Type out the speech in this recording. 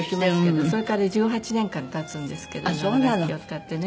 それから１８年間経つんですけどもこの楽器を使ってね。